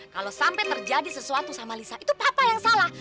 kalau sampai terjadi sesuatu sama lisa itu papa yang salah